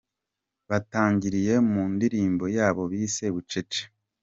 Batangiriye mu ndirimbo yabo bise ’Bucece’.